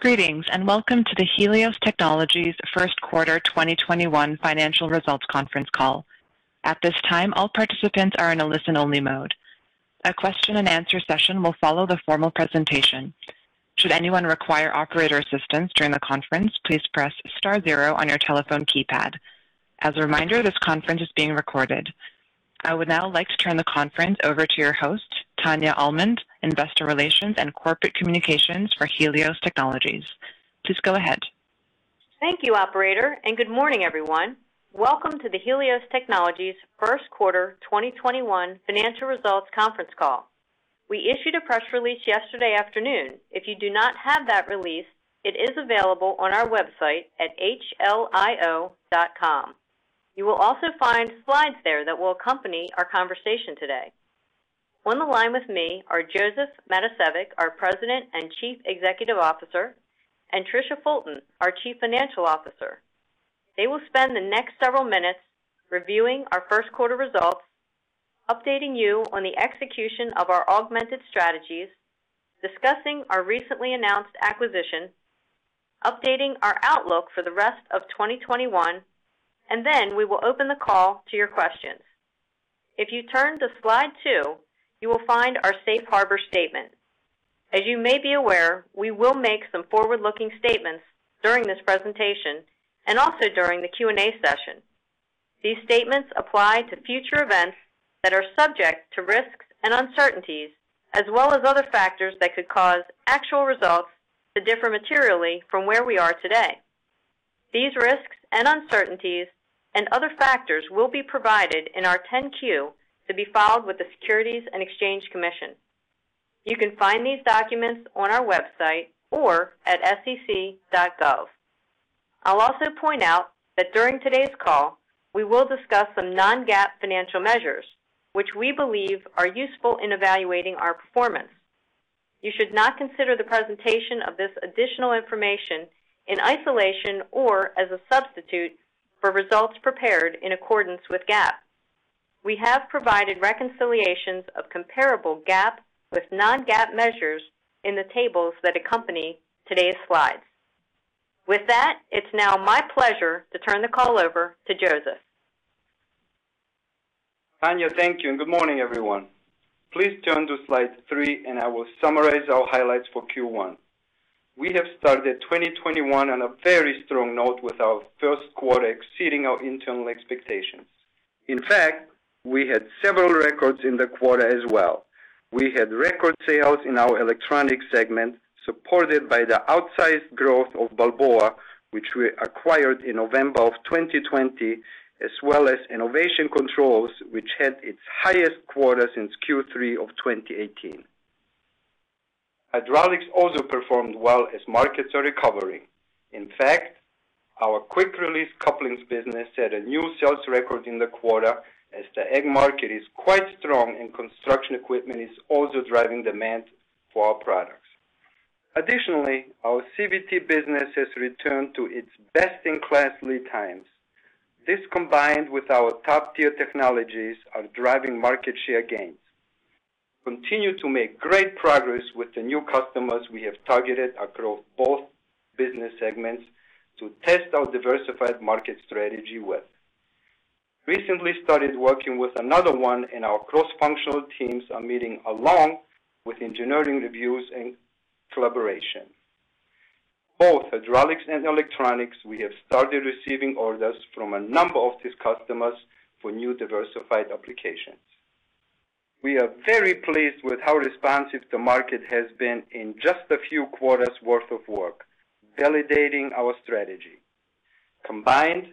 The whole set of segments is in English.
Greetings, and welcome to the Helios Technologies first quarter 2021 financial results conference call. At this time, all participants are in a listen-only mode. A question and answer session will follow the formal presentation. Should anyone require operator assistance during the conference, please press star zero on your telephone keypad. As a reminder, this conference is being recorded. I would now like to turn the conference over to your host, Tania Almond, Investor Relations and Corporate Communications for Helios Technologies. Please go ahead. Thank you operator, Good morning, everyone. Welcome to the Helios Technologies first quarter 2021 financial results conference call. We issued a press release yesterday afternoon. If you do not have that release, it is available on our website at hlio.com. You will also find slides there that will accompany our conversation today. On the line with me are Josef Matosevic, our President and Chief Executive Officer, and Tricia Fulton, our Chief Financial Officer. They will spend the next several minutes reviewing our first quarter results, updating you on the execution of our augmented strategies, discussing our recently announced acquisition, updating our outlook for the rest of 2021, and then we will open the call to your questions. If you turn to slide two, you will find our safe harbor statement. As you may be aware, we will make some forward-looking statements during this presentation and also during the Q&A session. These statements apply to future events that are subject to risks and uncertainties, as well as other factors that could cause actual results to differ materially from where we are today. These risks and uncertainties and other factors will be provided in our Form 10-Q to be filed with the Securities and Exchange Commission. You can find these documents on our website or at sec.gov. I'll also point out that during today's call, we will discuss some non-GAAP financial measures which we believe are useful in evaluating our performance. You should not consider the presentation of this additional information in isolation or as a substitute for results prepared in accordance with GAAP. We have provided reconciliations of comparable GAAP with non-GAAP measures in the tables that accompany today's slides. With that, it's now my pleasure to turn the call over to Josef. Tania, thank you, and good morning, everyone. Please turn to slide three, and I will summarize our highlights for Q1. We have started 2021 on a very strong note with our first quarter exceeding our internal expectations. In fact, we had several records in the quarter as well. We had record sales in our electronic segment, supported by the outsized growth of Balboa, which we acquired in November of 2020, as well as Enovation Controls, which had its highest quarter since Q3 of 2018. Hydraulics also performed well as markets are recovering. In fact, our quick release couplings business set a new sales record in the quarter as the ag market is quite strong, and construction equipment is also driving demand for our products. Additionally, our CVT business has returned to its best-in-class lead times. This, combined with our top-tier technologies, are driving market share gains. Continue to make great progress with the new customers we have targeted across both business segments to test our diversified market strategy with. Recently started working with another one, and our cross-functional teams are meeting along with engineering reviews and collaboration. Both hydraulics and electronics, we have started receiving orders from a number of these customers for new diversified applications. We are very pleased with how responsive the market has been in just a few quarters worth of work, validating our strategy. Combined,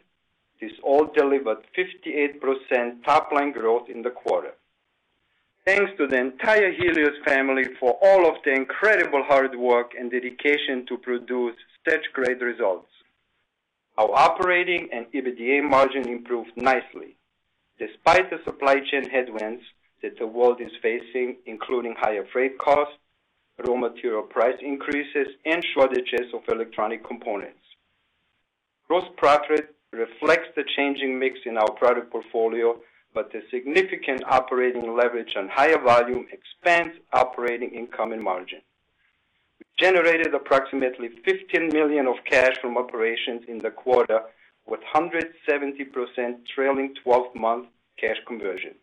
this all delivered 58% top-line growth in the quarter. Thanks to the entire Helios family for all of the incredible hard work and dedication to produce such great results. Our operating and EBITDA margin improved nicely despite the supply chain headwinds that the world is facing, including higher freight costs, raw material price increases, and shortages of electronic components. Gross profit reflects the changing mix in our product portfolio, but the significant operating leverage on higher volume expands operating income and margin. We generated approximately $15 million of cash from operations in the quarter, with 170% trailing 12-month cash conversion.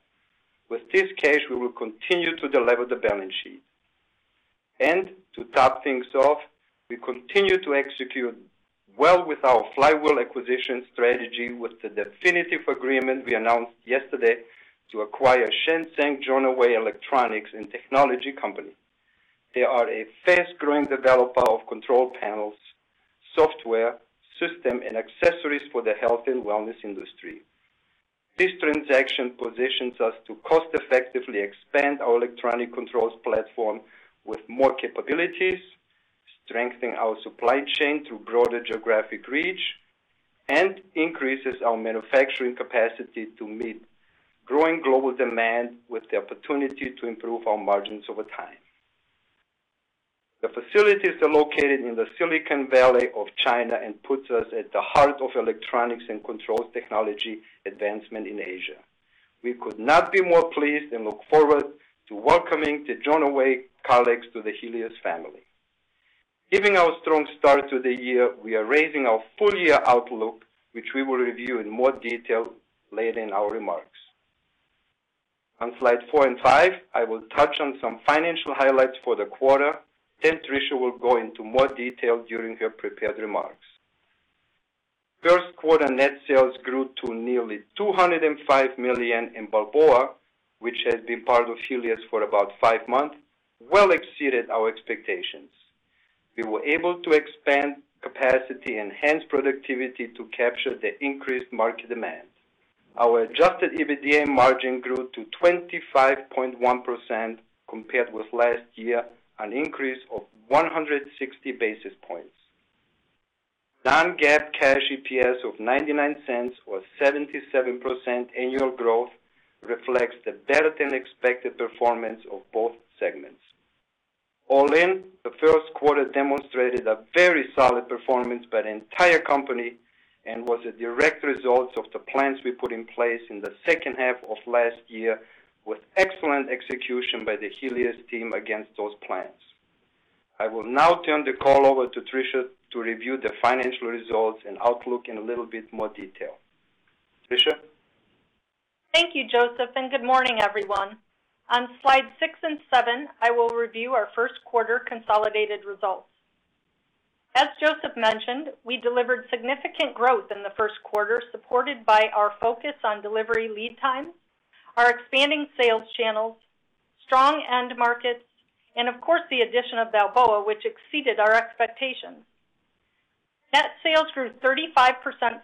With this cash, we will continue to delever the balance sheet. To top things off, we continue to execute well with our flywheel acquisition strategy with the definitive agreement we announced yesterday to acquire Shenzhen Joyonway Electronics & Technology Company. They are a fast-growing developer of control panels, software, system, and accessories for the health and wellness industry. This transaction positions us to cost-effectively expand our electronic controls platform with more capabilities, strengthening our supply chain through broader geographic reach, and increases our manufacturing capacity to meet growing global demand with the opportunity to improve our margins over time. The facilities are located in the Silicon Valley of China and puts us at the heart of electronics and controls technology advancement in Asia. We could not be more pleased and look forward to welcoming the Joyonway colleagues to the Helios family. Given our strong start to the year, we are raising our full-year outlook, which we will review in more detail later in our remarks. On slide four and five, I will touch on some financial highlights for the quarter, then Tricia will go into more detail during her prepared remarks. First quarter net sales grew to nearly $205 million in Balboa, which has been part of Helios for about five months, well exceeded our expectations. We were able to expand capacity, enhance productivity to capture the increased market demand. Our adjusted EBITDA margin grew to 25.1% compared with last year, an increase of 160 basis points. non-GAAP cash EPS of $0.99 or 77% annual growth reflects the better than expected performance of both segments. All in, the first quarter demonstrated a very solid performance by the entire company and was a direct result of the plans we put in place in the second half of last year with excellent execution by the Helios team against those plans. I will now turn the call over to Tricia to review the financial results and outlook in a little bit more detail. Tricia? Thank you, Josef, good morning, everyone. On slide six and seven, I will review our first quarter consolidated results. As Josef mentioned, we delivered significant growth in the first quarter, supported by our focus on delivery lead times, our expanding sales channels, strong end markets, and of course, the addition of Balboa, which exceeded our expectations. Net sales grew 35%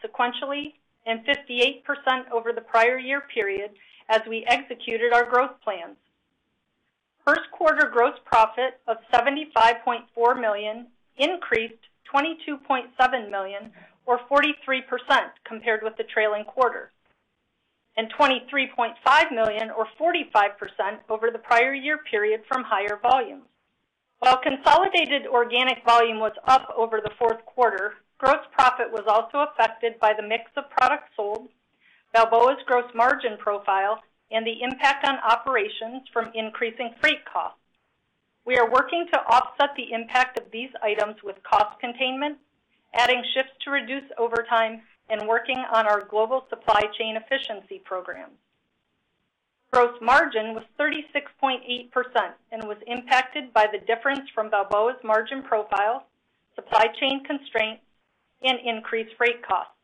sequentially and 58% over the prior year period as we executed our growth plans. First quarter gross profit of $75.4 million increased $22.7 million or 43% compared with the trailing quarter, and $23.5 million or 45% over the prior year period from higher volumes. While consolidated organic volume was up over the fourth quarter, gross profit was also affected by the mix of products sold, Balboa's gross margin profile, and the impact on operations from increasing freight costs. We are working to offset the impact of these items with cost containment, adding shifts to reduce overtime, and working on our global supply chain efficiency programs. Gross margin was 36.8% and was impacted by the difference from Balboa's margin profile, supply chain constraints, and increased freight costs.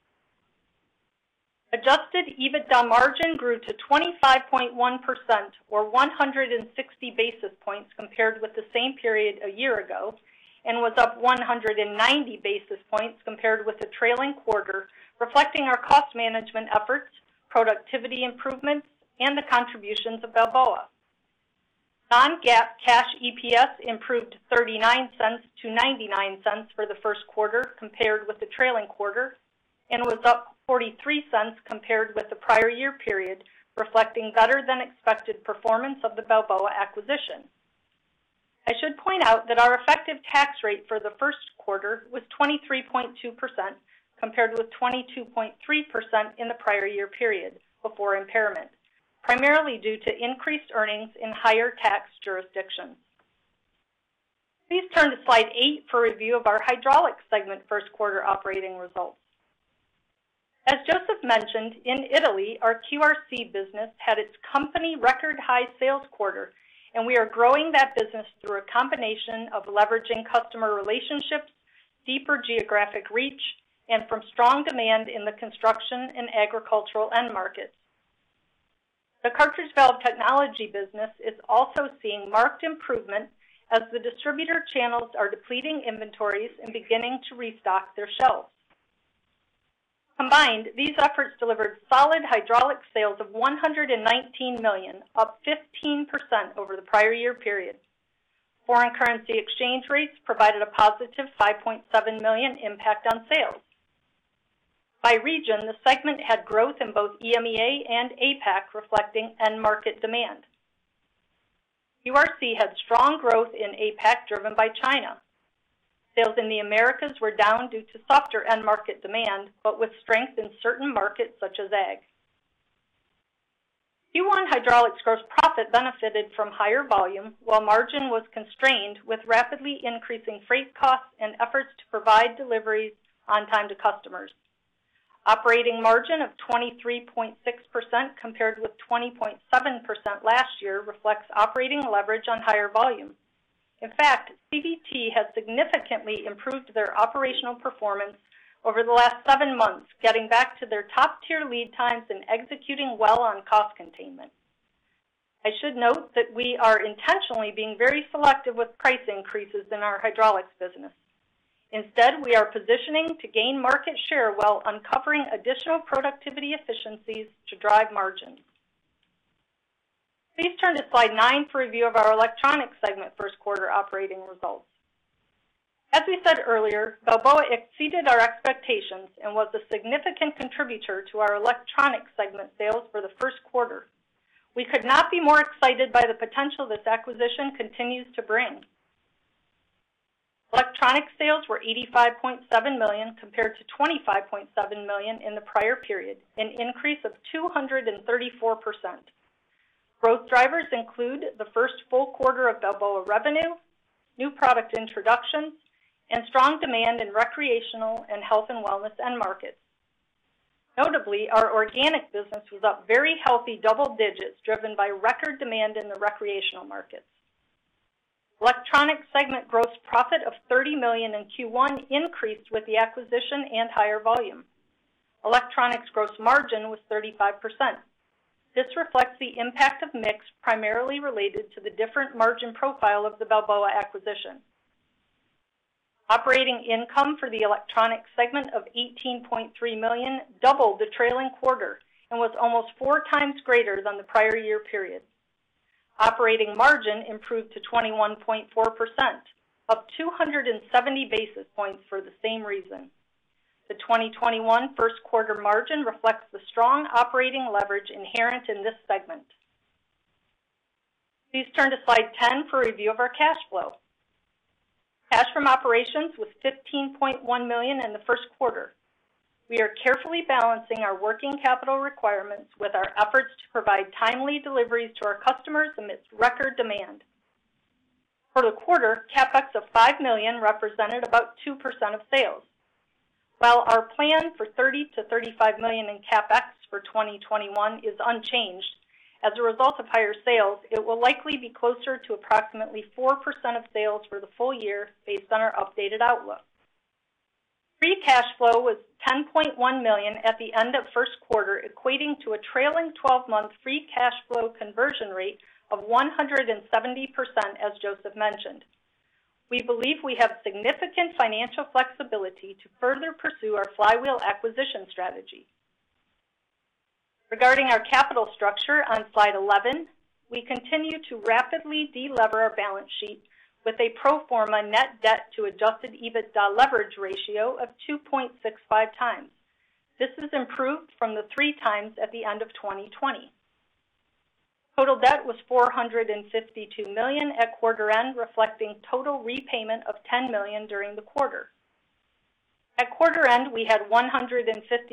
Adjusted EBITDA margin grew to 25.1% or 160 basis points compared with the same period a year ago, and was up 190 basis points compared with the trailing quarter, reflecting our cost management efforts, productivity improvements, and the contributions of Balboa. Non-GAAP cash EPS improved $0.39 to $0.99 for the first quarter compared with the trailing quarter, and was up $0.43 compared with the prior year period, reflecting better than expected performance of the Balboa acquisition. I should point out that our effective tax rate for the first quarter was 23.2% compared with 22.3% in the prior year period before impairment, primarily due to increased earnings in higher tax jurisdictions. Please turn to slide eight for a review of our Hydraulics segment first quarter operating results. As Josef mentioned, in Italy, our QRC business had its company record high sales quarter, and we are growing that business through a combination of leveraging customer relationships, deeper geographic reach, and from strong demand in the construction and agricultural end markets. The Cartridge Valve Technology business is also seeing marked improvement as the distributor channels are depleting inventories and beginning to restock their shelves. Combined, these efforts delivered solid hydraulic sales of $119 million, up 15% over the prior year period. Foreign currency exchange rates provided a positive $5.7 million impact on sales. By region, the segment had growth in both EMEA and APAC, reflecting end market demand. QRC had strong growth in APAC, driven by China. Sales in the Americas were down due to softer end market demand, but with strength in certain markets such as ag. Q1 Hydraulics gross profit benefited from higher volume, while margin was constrained with rapidly increasing freight costs and efforts to provide deliveries on time to customers. Operating margin of 23.6% compared with 20.7% last year reflects operating leverage on higher volume. In fact, CVT has significantly improved their operational performance over the last seven months, getting back to their top tier lead times and executing well on cost containment. I should note that we are intentionally being very selective with price increases in our hydraulics business. Instead, we are positioning to gain market share while uncovering additional productivity efficiencies to drive margin. Please turn to slide nine for a review of our Electronics segment first quarter operating results. As we said earlier, Balboa exceeded our expectations and was a significant contributor to our Electronics segment sales for the first quarter. We could not be more excited by the potential this acquisition continues to bring. Electronics sales were $85.7 million compared to $25.7 million in the prior period, an increase of 234%. Growth drivers include the first full quarter of Balboa revenue, new product introductions, and strong demand in recreational and health and wellness end markets. Notably, our organic business was up very healthy double digits driven by record demand in the recreational markets. Electronics segment gross profit of $30 million in Q1 increased with the acquisition and higher volume. Electronics gross margin was 35%. This reflects the impact of mix primarily related to the different margin profile of the Balboa acquisition. Operating income for the electronics segment of $18.3 million doubled the trailing quarter and was almost four times greater than the prior year period. Operating margin improved to 21.4%, up 270 basis points for the same reason. The 2021 first quarter margin reflects the strong operating leverage inherent in this segment. Please turn to slide 10 for a view of our cash flow. Cash from operations was $15.1 million in the first quarter. We are carefully balancing our working capital requirements with our efforts to provide timely deliveries to our customers amidst record demand. For the quarter, CapEx of $5 million represented about 2% of sales. While our plan for $30 million-$35 million in CapEx for 2021 is unchanged, as a result of higher sales, it will likely be closer to approximately 4% of sales for the full year based on our updated outlook. Free cash flow was $10.1 million at the end of the first quarter, equating to a trailing 12-month free cash flow conversion rate of 170%, as Josef mentioned. We believe we have significant financial flexibility to further pursue our flywheel acquisition strategy. Regarding our capital structure on slide 11, we continue to rapidly de-lever our balance sheet with a pro forma net debt to adjusted EBITDA leverage ratio of 2.65 times. This has improved from the 3.00 times at the end of 2020. Total debt was $452 million at quarter end, reflecting total repayment of $10 million during the quarter. At quarter end, we had $150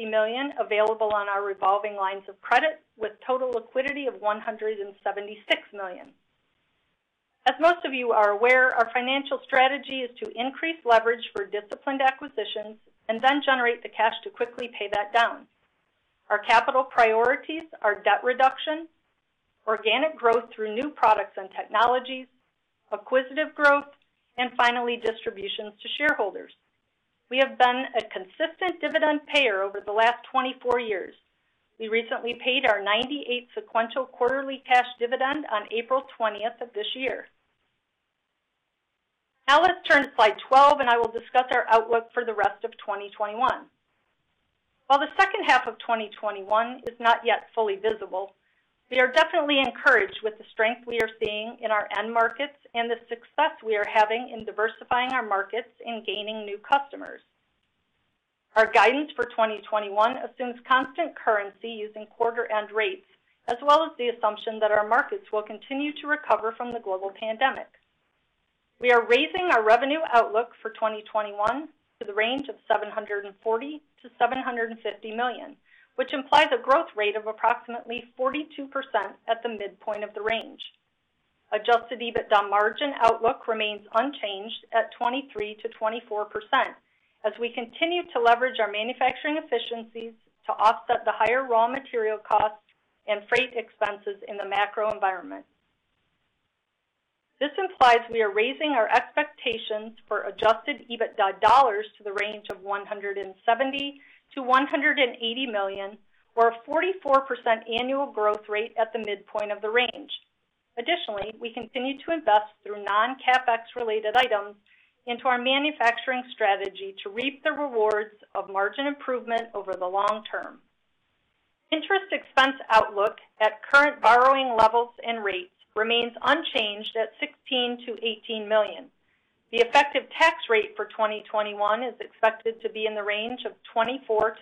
million available on our revolving lines of credit, with total liquidity of $176 million. As most of you are aware, our financial strategy is to increase leverage for disciplined acquisitions and then generate the cash to quickly pay that down. Our capital priorities are debt reduction, organic growth through new products and technologies, acquisitive growth, and finally, distributions to shareholders. We have been a consistent dividend payer over the last 24 years. We recently paid our 98th sequential quarterly cash dividend on April 20th of this year. Now let's turn to slide 12, and I will discuss our outlook for the rest of 2021. While the second half of 2021 is not yet fully visible, we are definitely encouraged with the strength we are seeing in our end markets and the success we are having in diversifying our markets and gaining new customers. Our guidance for 2021 assumes constant currency using quarter-end rates, as well as the assumption that our markets will continue to recover from the global pandemic. We are raising our revenue outlook for 2021 to the range of $740 million-$750 million, which implies a growth rate of approximately 42% at the midpoint of the range. Adjusted EBITDA margin outlook remains unchanged at 23%-24% as we continue to leverage our manufacturing efficiencies to offset the higher raw material costs and freight expenses in the macro environment. This implies we are raising our expectations for adjusted EBITDA dollars to the range of $170 million-$180 million, or a 44% annual growth rate at the midpoint of the range. Additionally, we continue to invest through non-CapEx related items into our manufacturing strategy to reap the rewards of margin improvement over the long term. Interest expense outlook at current borrowing levels and rates remains unchanged at $16 million-$18 million. The effective tax rate for 2021 is expected to be in the range of 24%-26%.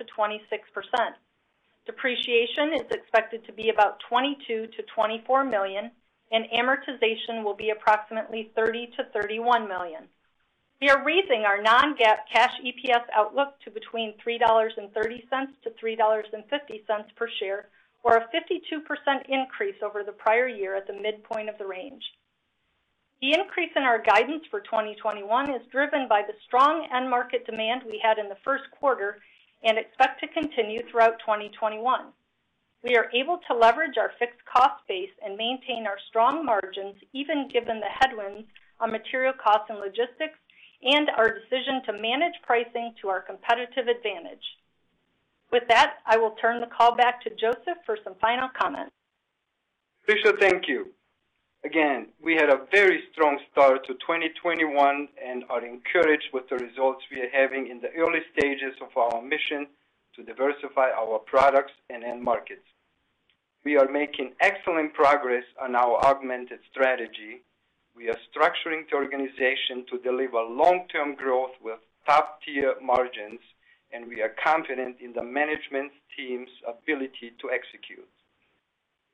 Depreciation is expected to be about $22 million-$24 million, and amortization will be approximately $30 million-$31 million. We are raising our non-GAAP cash EPS outlook to between $3.30-$3.50 per share, or a 52% increase over the prior year at the midpoint of the range. The increase in our guidance for 2021 is driven by the strong end market demand we had in the first quarter and expect to continue throughout 2021. We are able to leverage our fixed cost base and maintain our strong margins even given the headwinds on material cost and logistics and our decision to manage pricing to our competitive advantage. With that, I will turn the call back to Josef for some final comments. Tricia, thank you. Again, we had a very strong start to 2021 and are encouraged with the results we are having in the early stages of our mission to diversify our products and end markets. We are making excellent progress on our augmented strategy. We are structuring the organization to deliver long-term growth with top-tier margins, and we are confident in the management team's ability to execute.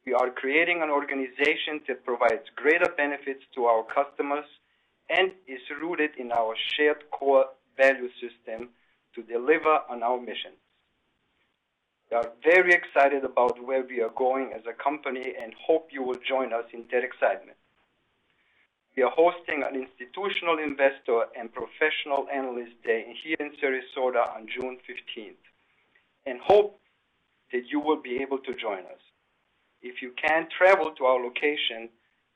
We are creating an organization that provides greater benefits to our customers and is rooted in our shared core value system to deliver on our mission. We are very excited about where we are going as a company and hope you will join us in that excitement. We are hosting an institutional investor and professional analyst day here in Sarasota on June 15th, and hope that you will be able to join us. If you can't travel to our location,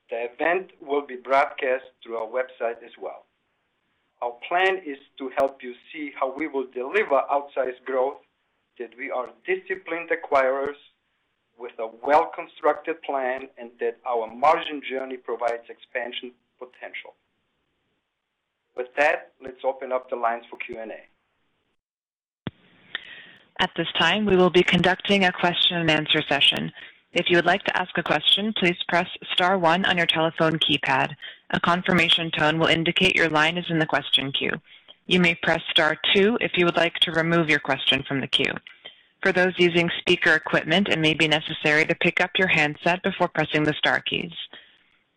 the event will be broadcast through our website as well. Our plan is to help you see how we will deliver outsized growth, that we are disciplined acquirers with a well-constructed plan, and that our margin journey provides expansion potential. With that, let's open up the lines for Q&A. At this time, we will be conducting question and answer session. If you'd like to ask a question, please press star one on your telephone keypad, a confirmation tone will indicate your question is on the question queue. You may press star two if you wish to remove your question from the queue. For those using speaker equipment, and may be necessary to pick-up your handset before pressing the star keys.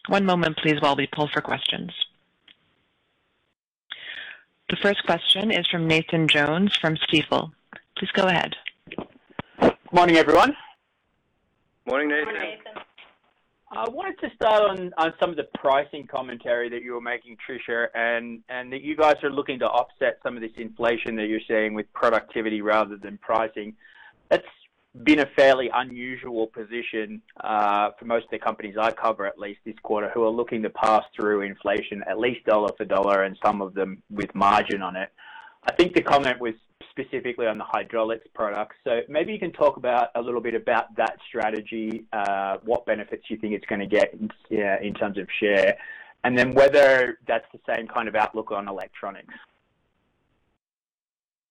One moment please while we pause for questions. The first question is from Nathan Jones from Stifel. Please go ahead. Morning, everyone. Morning, Nathan. Morning, Nathan. I wanted to start on some of the pricing commentary that you were making, Tricia. You guys are looking to offset some of this inflation that you're seeing with productivity rather than pricing. That's been a fairly unusual position for most of the companies I cover, at least this quarter, who are looking to pass through inflation at least dollar for dollar, and some of them with margin on it. I think the comment was specifically on the hydraulics products. Maybe you can talk about a little bit about that strategy, what benefits you think it's going to get in terms of share, and then whether that's the same kind of outlook on electronics.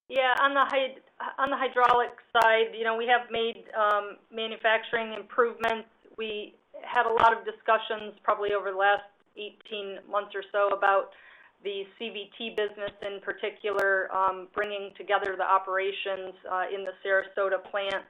Yeah, on the hydraulics side, we have made manufacturing improvements. We had a lot of discussions probably over the last 18 months or so about the CVT business in particular, bringing together the operations in the Sarasota plants.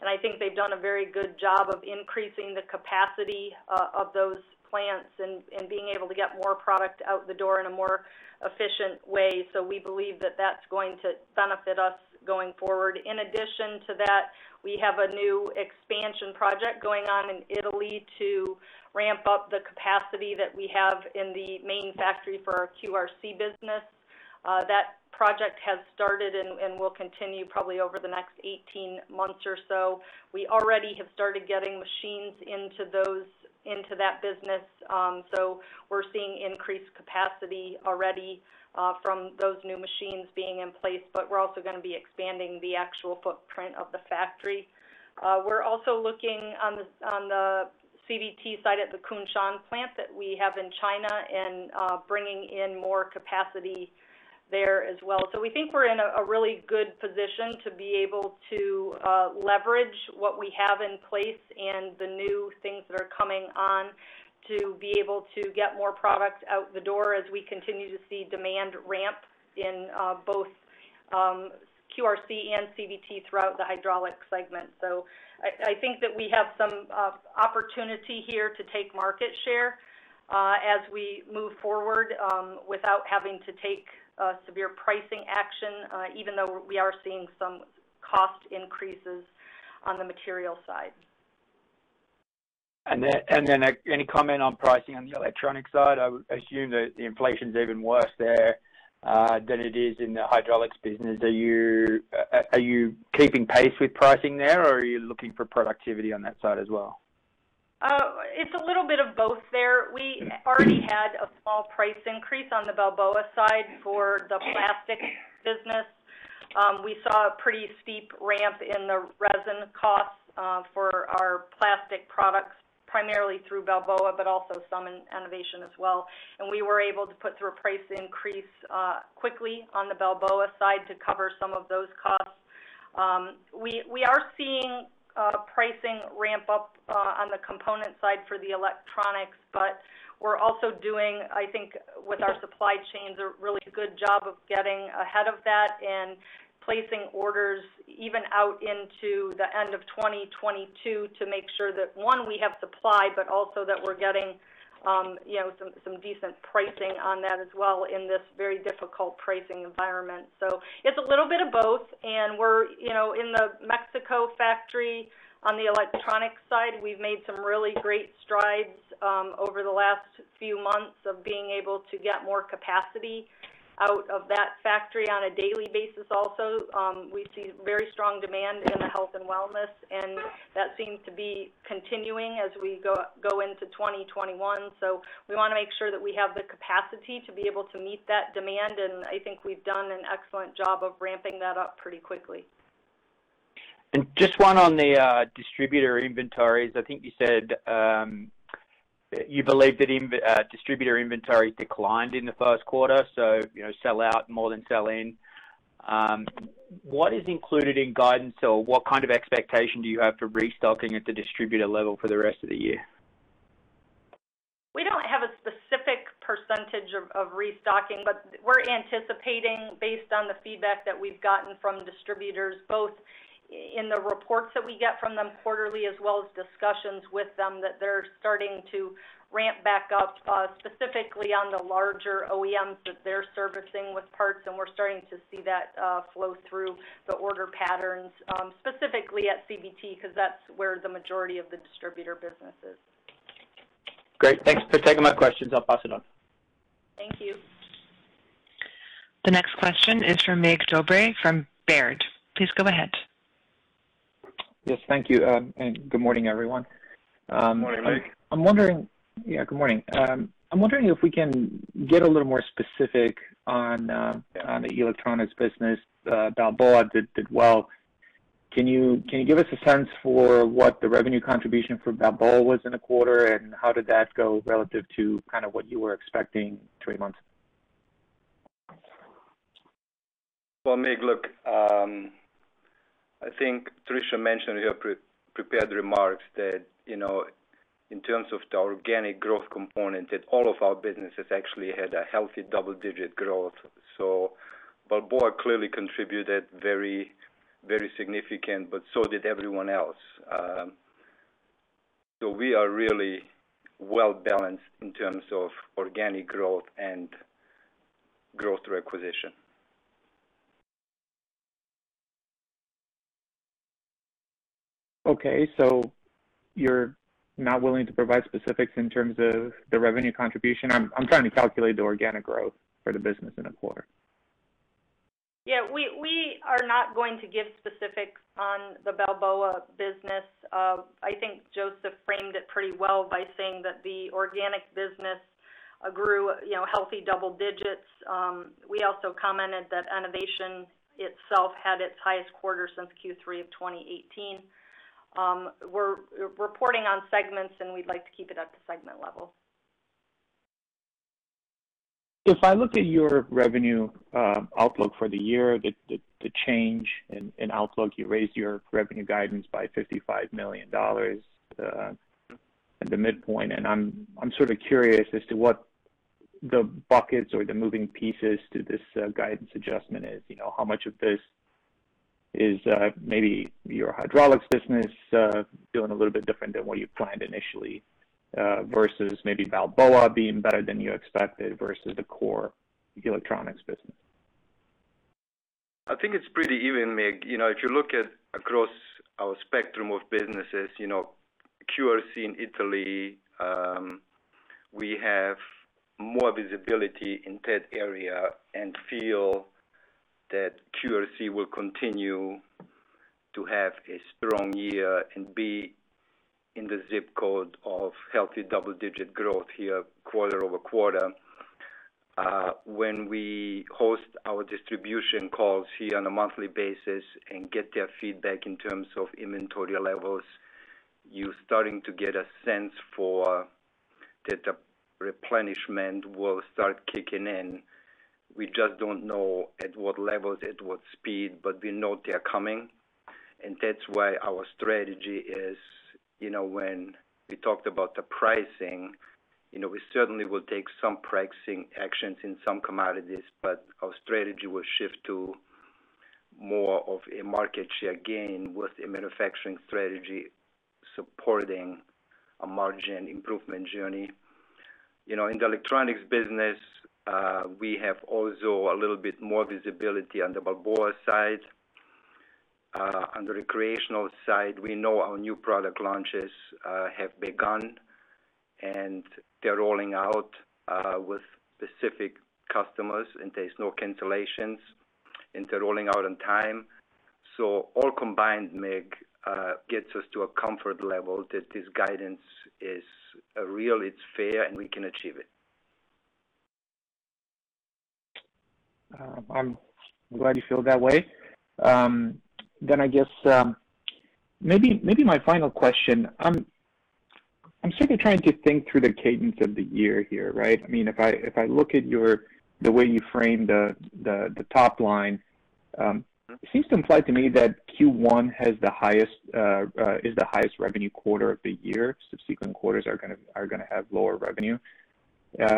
I think they've done a very good job of increasing the capacity of those plants and being able to get more product out the door in a more efficient way. We believe that that's going to benefit us going forward. In addition to that, we have a new expansion project going on in Italy to ramp up the capacity that we have in the main factory for our QRC business. That project has started and will continue probably over the next 18 months or so. We already have started getting machines into that business. We're seeing increased capacity already from those new machines being in place, but we're also going to be expanding the actual footprint of the factory. We're also looking on the CVT side at the Kunshan plant that we have in China and bringing in more capacity there as well. We think we're in a really good position to be able to leverage what we have in place and the new things that are coming on to be able to get more product out the door as we continue to see demand ramp in both QRC and CVT throughout the hydraulics segment. I think that we have some opportunity here to take market share as we move forward without having to take severe pricing action, even though we are seeing some cost increases on the material side. Any comment on pricing on the electronic side? I would assume that the inflation's even worse there than it is in the hydraulics business. Are you keeping pace with pricing there, or are you looking for productivity on that side as well? It's a little bit of both there. We already had a small price increase on the Balboa side for the plastic business. We saw a pretty steep ramp in the resin costs for our plastic products, primarily through Balboa, but also some in Enovation as well. We were able to put through a price increase quickly on the Balboa side to cover some of those costs. We are seeing pricing ramp up on the component side for the electronics, but we're also doing, I think, with our supply chains, a really good job of getting ahead of that and placing orders even out into the end of 2022 to make sure that, one, we have supply, but also that we're getting some decent pricing on that as well in this very difficult pricing environment. It's a little bit of both, and in the Mexico factory on the electronic side, we've made some really great strides over the last few months of being able to get more capacity out of that factory on a daily basis also. We see very strong demand in the health and wellness, and that seems to be continuing as we go into 2021. We want to make sure that we have the capacity to be able to meet that demand, and I think we've done an excellent job of ramping that up pretty quickly. Just one on the distributor inventories. I think you said you believe that distributor inventories declined in the first quarter, so sell out more than sell in. What is included in guidance, or what kind of expectation do you have for restocking at the distributor level for the rest of the year? Percentage of restocking. We're anticipating, based on the feedback that we've gotten from distributors, both in the reports that we get from them quarterly, as well as discussions with them, that they're starting to ramp back up, specifically on the larger OEMs that they're servicing with parts. We're starting to see that flow through the order patterns, specifically at CVT because that's where the majority of the distributor business is. Great. Thanks for taking my questions. I'll pass it on. Thank you. The next question is from Mircea Dobre from Baird. Please go ahead. Yes, thank you. Good morning, everyone. Good morning. Yeah, good morning. I'm wondering if we can get a little more specific on the electronics business. Balboa did well. Can you give us a sense for what the revenue contribution from Balboa was in the quarter, and how did that go relative to what you were expecting two months ago? Well, Mircea, look, I think Tricia mentioned in the prepared remarks that in terms of the organic growth component, that all of our businesses actually had a healthy double-digit growth. Balboa clearly contributed very significant, but so did everyone else. We are really well-balanced in terms of organic growth and growth through acquisition. Okay. You're not willing to provide specifics in terms of the revenue contribution? I'm trying to calculate the organic growth for the business in the quarter. Yeah, we are not going to give specifics on the Balboa business. I think Josef framed it pretty well by saying that the organic business grew healthy double digits. We also commented that Enovation itself had its highest quarter since Q3 of 2018. We're reporting on segments, and we'd like to keep it at the segment level. If I look at your revenue outlook for the year, the change in outlook, you raised your revenue guidance by $55 million at the midpoint, and I'm sort of curious as to what the buckets or the moving pieces to this guidance adjustment is. How much of this is maybe your hydraulics business doing a little bit different than what you planned initially, versus maybe Balboa being better than you expected, versus the core electronics business? I think it's pretty even, Mircea. If you look at across our spectrum of businesses, QRC in Italy, we have more visibility in that area and feel that QRC will continue to have a strong year and be in the zip code of healthy double-digit growth here quarter-over-quarter. When we host our distribution calls here on a monthly basis and get their feedback in terms of inventory levels, you're starting to get a sense that the replenishment will start kicking in. We just don't know at what levels, at what speed, but we know they're coming, and that's why our strategy is when we talked about the pricing, we certainly will take some pricing actions in some commodities, but our strategy will shift to more of a market share gain with a manufacturing strategy supporting a margin improvement journey. In the electronics business, we have also a little bit more visibility on the Balboa side. On the recreational side, we know our new product launches have begun, and they're rolling out with specific customers, and there's no cancellations, and they're rolling out on time. All combined, Mircea, gets us to a comfort level that this guidance is real, it's fair, and we can achieve it. I'm glad you feel that way. I guess maybe my final question. I'm sort of trying to think through the cadence of the year here, right? If I look at the way you frame the top line, it seems like to me that Q1 is the highest revenue quarter of the year. Subsequent quarters are going to have lower revenue,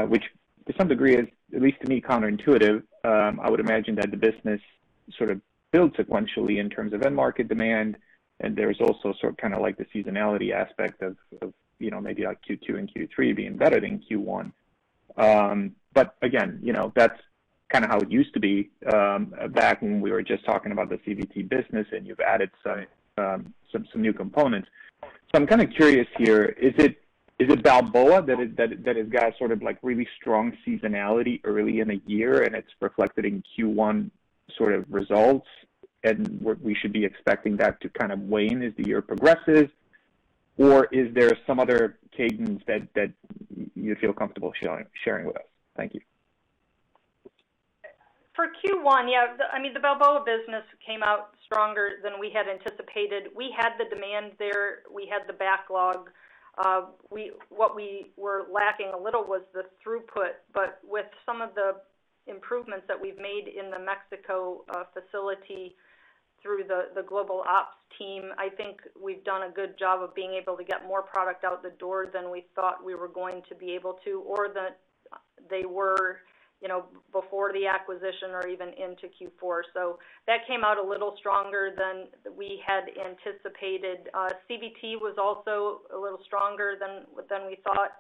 which to some degree is, at least to me, counterintuitive. I would imagine that the business sort of builds sequentially in terms of end market demand, and there's also sort of the seasonality aspect of maybe Q2 and Q3 being better than Q1. Again, that's kind of how it used to be back when we were just talking about the CVT business, and you've added some new components. I'm kind of curious here, is it Balboa that has got sort of really strong seasonality early in a year, and it's reflected in Q1 sort of results, and we should be expecting that to wane as the year progresses? Or is there some other cadence that you feel comfortable sharing with us? Thank you. For Q1, yeah. The Balboa business came out stronger than we had anticipated. We had the demand there. We had the backlogs. What we were lacking a little was the throughput, but with some of the improvements that we've made in the Mexico facility, through the global ops team, I think we've done a good job of being able to get more product out the door than we thought we were going to be able to, or that they were before the acquisition or even into Q4. That came out a little stronger than we had anticipated. CVT was also a little stronger than we thought.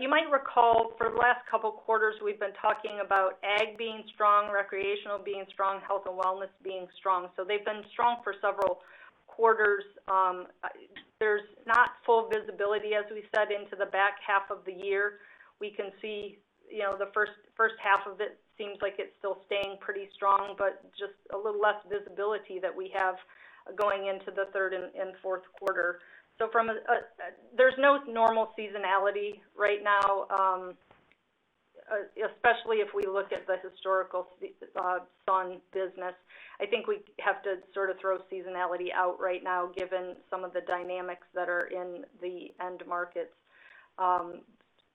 You might recall for the last couple quarters, we've been talking about ag being strong, recreational being strong, health and wellness being strong. They've been strong for several quarters. There's not full visibility, as we said, into the back half of the year. We can see the first half of it seems like it's still staying pretty strong, just a little less visibility that we have going into the third and fourth quarter. There's no normal seasonality right now, especially if we look at the historical Sun business. I think we have to sort of throw seasonality out right now given some of the dynamics that are in the end markets.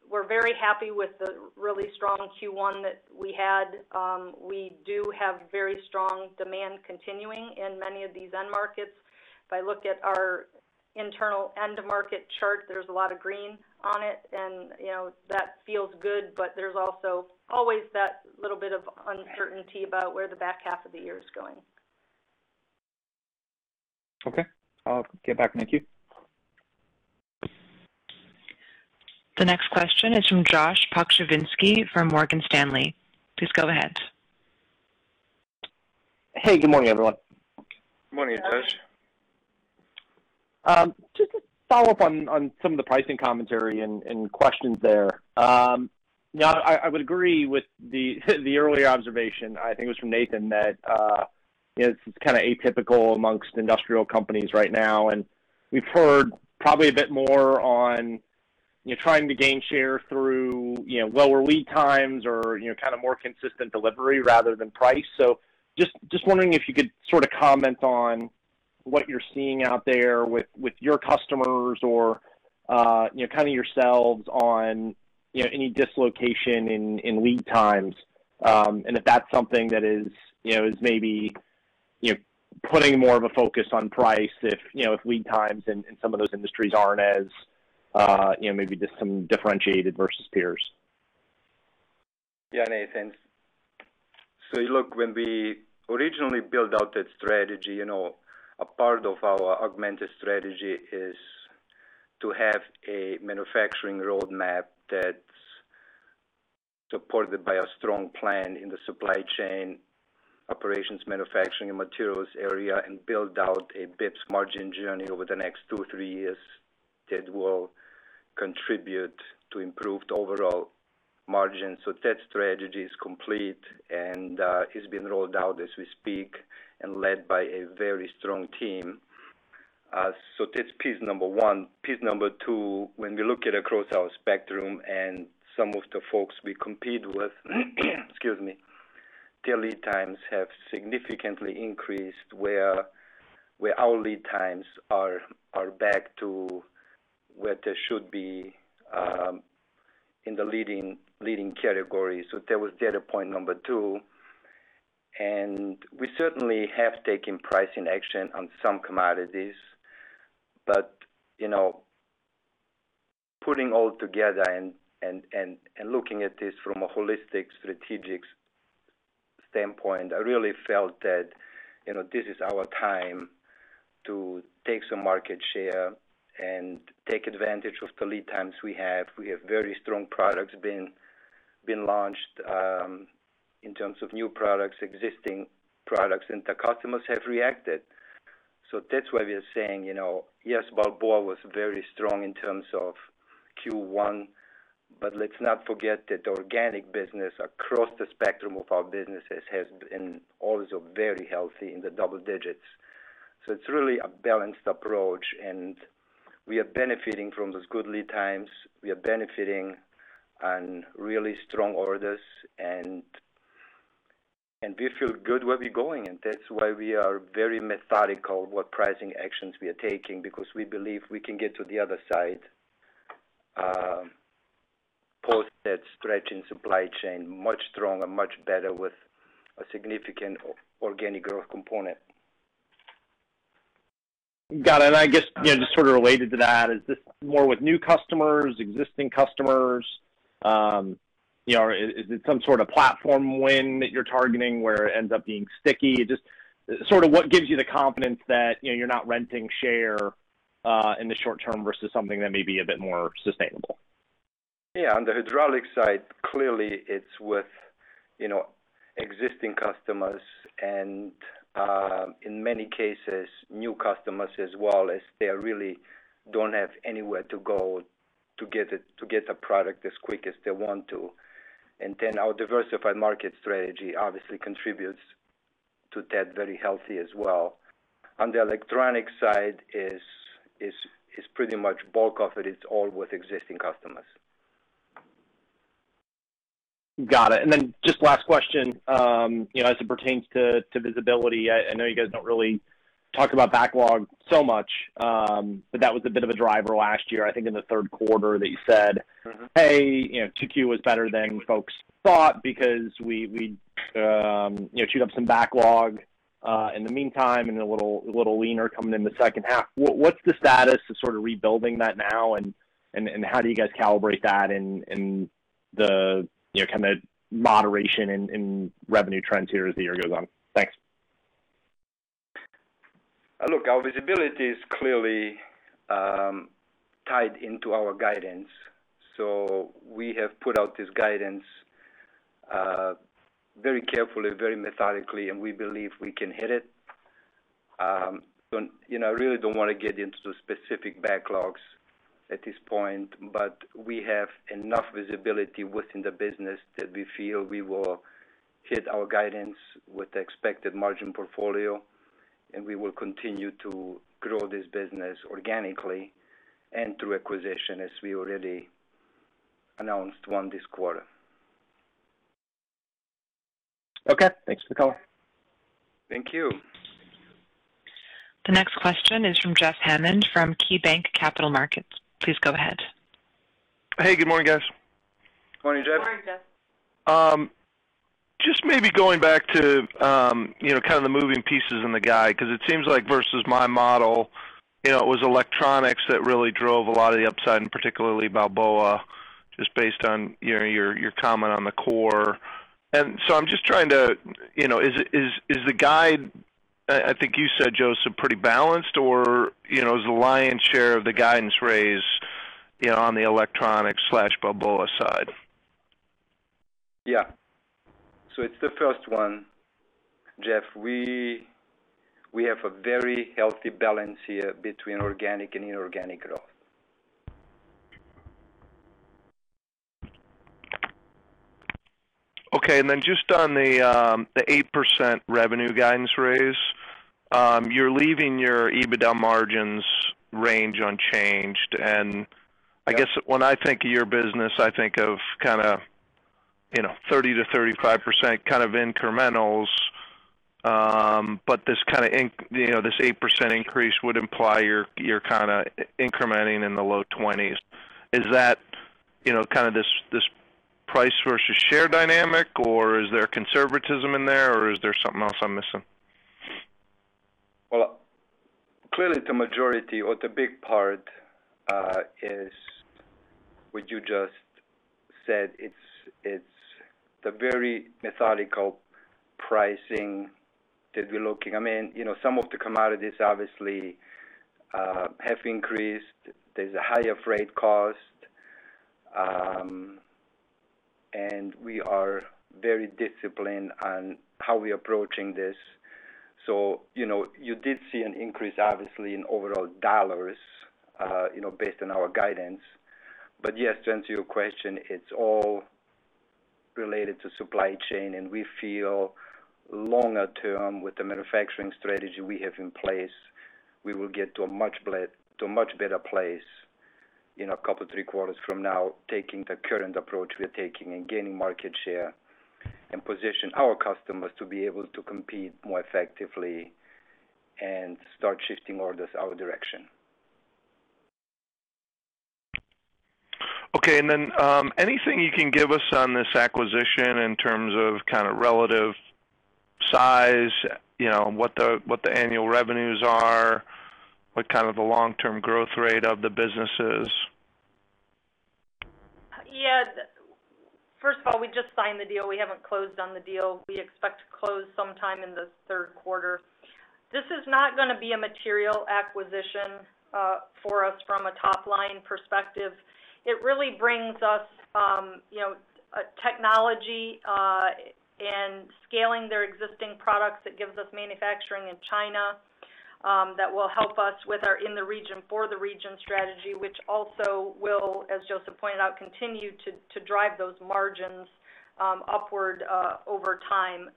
We're very happy with the really strong Q1 that we had. We do have very strong demand continuing in many of these end markets. If I look at our internal end market chart, there's a lot of green on it, and that feels good, but there's also always that little bit of uncertainty about where the back half of the year is going. Okay. I'll give back, Nikki. The next question is from Josh Pokrzywinski from Morgan Stanley. Please go ahead. Hey, good morning, everyone. Good morning, Josh. Just to follow up on some of the pricing commentary and questions there. I would agree with the earlier observation, I think it was from Nathan Jones, that it's kind of atypical amongst industrial companies right now, and we've heard probably a bit more on trying to gain share through lower lead times or kind of more consistent delivery rather than price. Just wondering if you could sort of comment on what you're seeing out there with your customers or kind of yourselves on any dislocation in lead times. If that's something that is maybe putting more of a focus on price, if lead times in some of those industries aren't as maybe just some differentiated versus peers. Yeah, Nathan Jones. Look, when we originally built out that strategy, a part of our augmented strategy is to have a manufacturing roadmap that's supported by a strong plan in the supply chain operations, manufacturing, and materials area, and build out a bps margin journey over the next two, three years that will contribute to improved overall margins. That strategy is complete and is being rolled out as we speak and led by a very strong team. That's piece number one. Piece number two, when we look at across our spectrum and some of the folks we compete with, excuse me, their lead times have significantly increased where our lead times are back to what they should be in the leading categories. That was data point number two. We certainly have taken pricing action on some commodities. Putting all together and looking at this from a holistic strategic standpoint, I really felt that this is our time to take some market share and take advantage of the lead times we have. We have very strong products being launched in terms of new products, existing products, and the customers have reacted. That's why we are saying, yes, Balboa was very strong in terms of Q1, let's not forget that the organic business across the spectrum of our businesses has been also very healthy in the double digits. It's really a balanced approach, and we are benefiting from those good lead times. We are benefiting on really strong orders, and we feel good where we're going, and that's why we are very methodical what pricing actions we are taking because we believe we can get to the other side post that stretch in supply chain much stronger, much better with a significant organic growth component. Got it. I guess, just sort of related to that, is this more with new customers, existing customers? Is it some sort of platform win that you're targeting where it ends up being sticky? Just sort of what gives you the confidence that you're not renting share in the short term versus something that may be a bit more sustainable? Yeah. On the hydraulics side, clearly it's with existing customers and, in many cases, new customers as well as they really don't have anywhere to go to get a product as quick as they want to. Our diversified market strategy obviously contributes to that very healthy as well. On the electronics side is pretty much bulk of it is all with existing customers. Got it. Then just last question, as it pertains to visibility, I know you guys don't talk about backlog so much, but that was a bit of a driver last year, I think in the third quarter that you said. Hey, Q2 was better than folks thought because we chewed up some backlog in the meantime and a little leaner coming in the second half." What's the status of sort of rebuilding that now and how do you guys calibrate that in the kind of moderation in revenue trends here as the year goes on? Thanks. Look, our visibility is clearly tied into our guidance. We have put out this guidance very carefully, very methodically, and we believe we can hit it. I really don't want to get into specific backlogs at this point, but we have enough visibility within the business that we feel we will hit our guidance with the expected margin portfolio, and we will continue to grow this business organically and through acquisition as we already announced one this quarter. Okay. Thanks for the color. Thank you. The next question is from Jeffrey Hammond from KeyBanc Capital Markets. Please go ahead. Hey, good morning, guys. Morning, Jeff. Morning, Jeff. Just maybe going back to the moving pieces in the guide, because it seems like versus my model, it was electronics that really drove a lot of the upside, and particularly Balboa, just based on your comment on the core. Is the guide, I think you said, Josef, pretty balanced? Or is the lion's share of the guidance raise on the electronic/Balboa side? Yeah. It's the first one, Jeff. We have a very healthy balance here between organic and inorganic growth. Okay. Just on the 8% revenue guidance raise, you're leaving your EBITDA margins range unchanged. I guess when I think of your business, I think of 30%-35% kind of incrementals. This 8% increase would imply you're kind of incrementing in the low 20s. Is that this price versus share dynamic, or is there conservatism in there, or is there something else I'm missing? Well, clearly the majority or the big part is what you just said. It's the very methodical pricing that we're looking. Some of the commodities obviously have increased. There's a higher freight cost. We are very disciplined on how we're approaching this. You did see an increase, obviously, in overall dollars based on our guidance. Yes, to answer your question, it's all related to supply chain, and we feel longer term with the manufacturing strategy we have in place, we will get to a much better place in a couple, three quarters from now, taking the current approach we're taking and gaining market share and position our customers to be able to compete more effectively and start shifting orders our direction. Okay. Anything you can give us on this acquisition in terms of kind of relative size, what the annual revenues are, what kind of the long-term growth rate of the business is? Yeah. First of all, we just signed the deal. We haven't closed on the deal. We expect to close sometime in the third quarter. This is not going to be a material acquisition for us from a top-line perspective. It really brings us technology and scaling their existing products. It gives us manufacturing in China that will help us with our in-the-region, for-the-region strategy, which also will, as Josef pointed out, continue to drive those margins upward over time.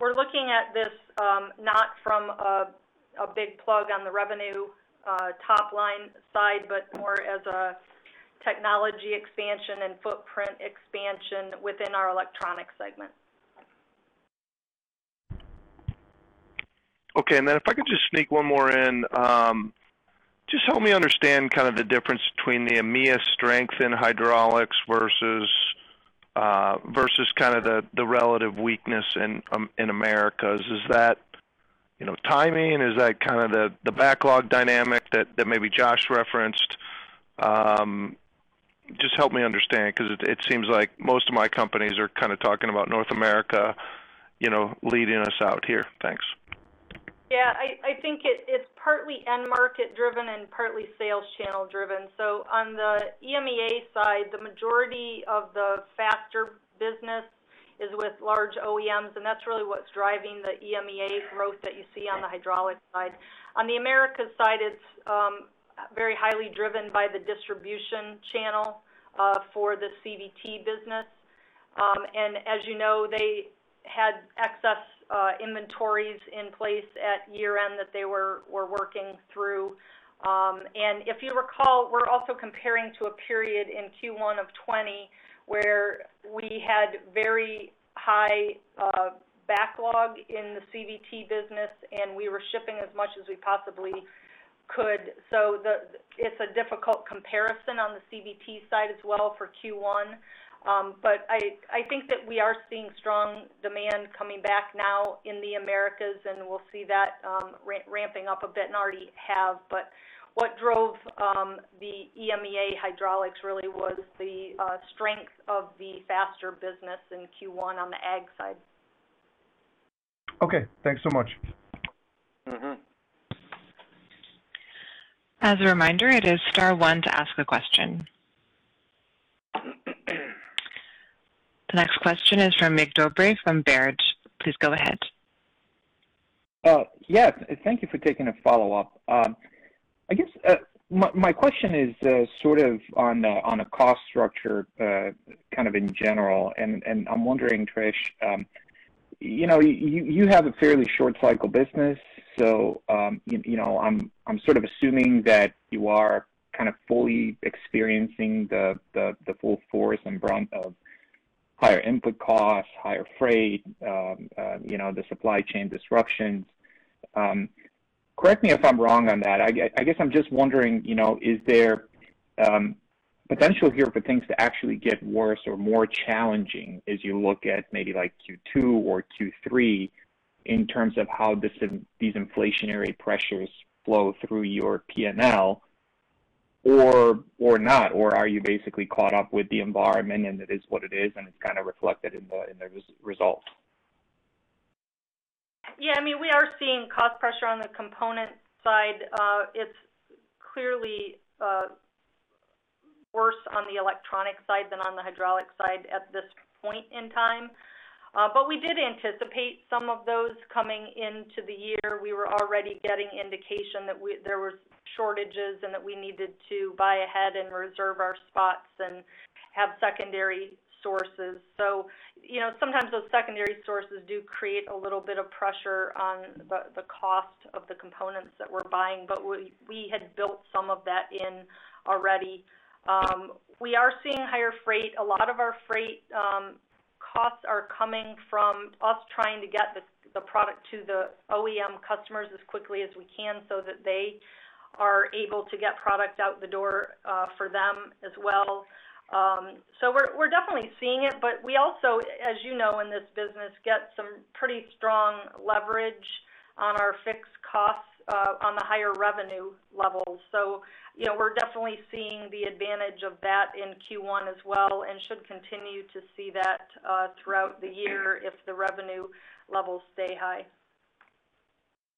We're looking at this not from a big plug on the revenue top-line side, but more as a technology expansion and footprint expansion within our electronic segment. Okay. If I could just sneak one more in. Just help me understand kind of the difference between the EMEA strength in hydraulics versus kind of the relative weakness in Americas. Is that timing? Is that kind of the backlog dynamic that maybe Josh referenced? Just help me understand, because it seems like most of my companies are kind of talking about North America leading us out here. Thanks. Yeah, I think it's partly end market driven and partly sales channel driven. On the EMEA side, the majority of the Faster business is with large OEMs, and that's really what's driving the EMEA growth that you see on the Hydraulics side. On the Americas side, it's very highly driven by the distribution channel for the CVT business. As you know, they had excess inventories in place at year-end that they were working through. If you recall, we're also comparing to a period in Q1 2020, where we had very high backlog in the CVT business, and we were shipping as much as we possibly could. It's a difficult comparison on the CVT side as well for Q1. I think that we are seeing strong demand coming back now in the Americas, and we'll see that ramping up a bit, and already have. What drove the EMEA hydraulics really was the strength of the Faster business in Q1 on the ag side. Okay. Thanks so much. As a reminder, it is star one to ask a question. The next question is from Mircea Dobre from Baird. Please go ahead. Yes. Thank you for taking the follow-up. I guess my question is sort of on a cost structure, kind of in general. I'm wondering, Tricia, you have a fairly short cycle business, so I'm sort of assuming that you are kind of fully experiencing the full force and brunt of higher input costs, higher freight, the supply chain disruptions. Correct me if I'm wrong on that. I guess I'm just wondering, is there potential here for things to actually get worse or more challenging as you look at maybe Q2 or Q3 in terms of how these inflationary pressures flow through your P&L or not? Are you basically caught up with the environment, and it is what it is, and it's kind of reflected in the results? Yeah. We are seeing cost pressure on the component side. It's clearly worse on the electronic side than on the hydraulics side at this point in time. We did anticipate some of those coming into the year. We were already getting indication that there were shortages and that we needed to buy ahead and reserve our spots and have secondary sources. Sometimes those secondary sources do create a little bit of pressure on the cost of the components that we're buying, but we had built some of that in already. We are seeing higher freight. A lot of our freight costs are coming from us trying to get the product to the OEM customers as quickly as we can so that they are able to get product out the door for them as well. We're definitely seeing it, but we also, as you know, in this business, get some pretty strong leverage on our fixed costs on the higher revenue levels. We're definitely seeing the advantage of that in Q1 as well and should continue to see that throughout the year if the revenue levels stay high.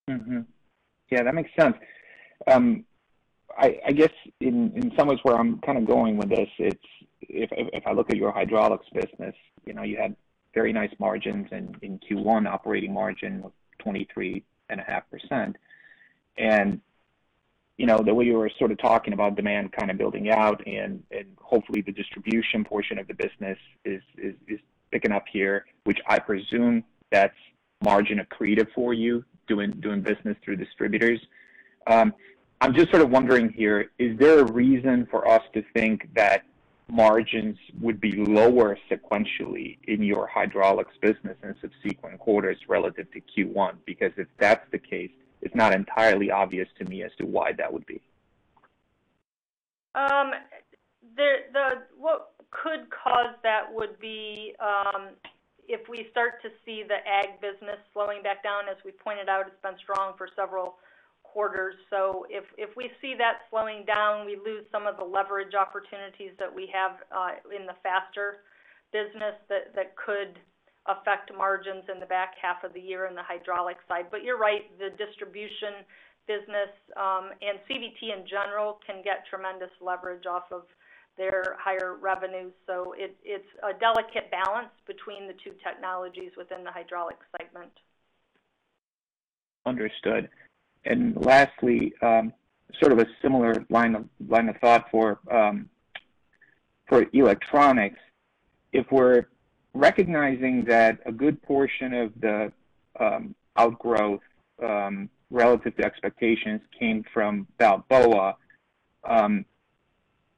That makes sense. I guess in some ways, where I'm kind of going with this, it's if I look at your hydraulics business, you had very nice margins in Q1, operating margin of 23.5%. The way you were sort of talking about demand kind of building out and hopefully the distribution portion of the business is picking up here, which I presume that's margin accretive for you, doing business through distributors. I'm just sort of wondering here, is there a reason for us to think that margins would be lower sequentially in your hydraulics business in subsequent quarters relative to Q1? If that's the case, it's not entirely obvious to me as to why that would be. What could cause that would be if we start to see the ag business slowing back down. As we pointed out, it's been strong for several quarters. If we see that slowing down, we lose some of the leverage opportunities that we have in the Faster business that could affect margins in the back half of the year in the hydraulics side. You're right, the distribution business, and CVT in general, can get tremendous leverage off of their higher revenue. It's a delicate balance between the two technologies within the hydraulics segment. Understood. Lastly, sort of a similar line of thought for electronics. If we're recognizing that a good portion of the outgrowth relative to expectations came from Balboa.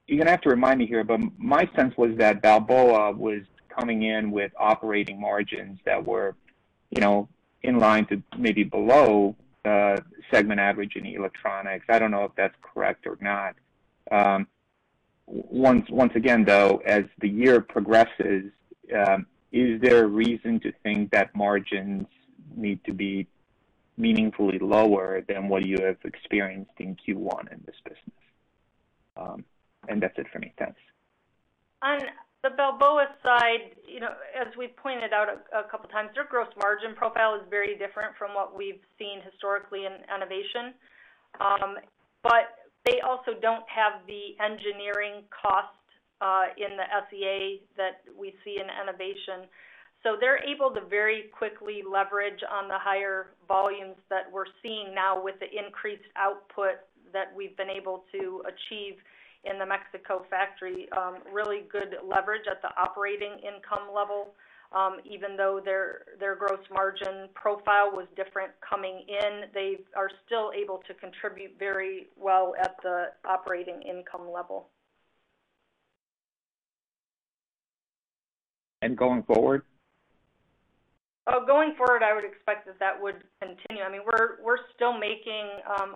You're going to have to remind me here, but my sense was that Balboa was coming in with operating margins that were in line to maybe below the segment average in electronics. I don't know if that's correct or not. Once again, though, as the year progresses, is there a reason to think that margins need to be meaningfully lower than what you have experienced in Q1 in this business? That's it for me. Thanks. On the Balboa side, as we've pointed out a couple of times, their gross margin profile is very different from what we've seen historically in Enovation. They also don't have the engineering cost in the SG&A that we see in Enovation. They're able to very quickly leverage on the higher volumes that we're seeing now with the increased output that we've been able to achieve in the Mexico factory, really good leverage at the operating income level. Even though their gross margin profile was different coming in, they are still able to contribute very well at the operating income level. Going forward? Going forward, I would expect that that would continue. We're still making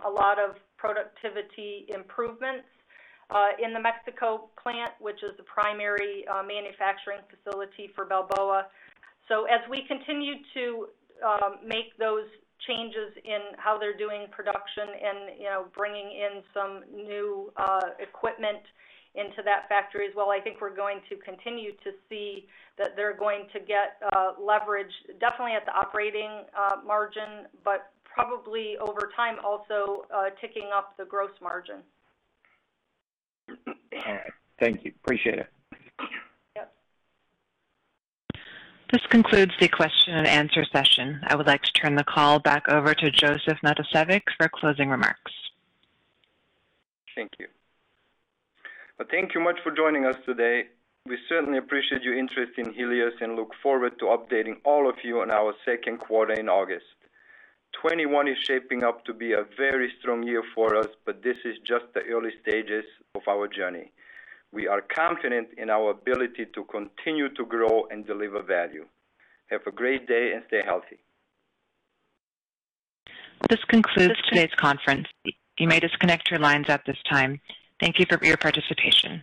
a lot of productivity improvements in the Mexico plant, which is the primary manufacturing facility for Balboa. As we continue to make those changes in how they're doing production and bringing in some new equipment into that factory as well, I think we're going to continue to see that they're going to get leverage, definitely at the operating margin, but probably over time also ticking up the gross margin. All right. Thank you. Appreciate it. Yep. This concludes the question and answer session. I would like to turn the call back over to Josef Matosevic for closing remarks. Thank you. Well, thank you much for joining us today. We certainly appreciate your interest in Helios and look forward to updating all of you on our second quarter in August. 2021 is shaping up to be a very strong year for us, but this is just the early stages of our journey. We are confident in our ability to continue to grow and deliver value. Have a great day and stay healthy. This concludes today's conference. You may disconnect your lines at this time. Thank you for your participation.